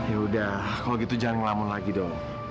ya udah kalau gitu jangan ngelamin lagi dong